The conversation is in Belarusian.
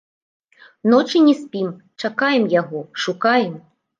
Ночы не спім, чакаем яго, шукаем.